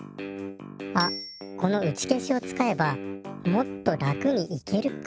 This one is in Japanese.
あっこのうちけしを使えばもっと楽に行けるかも。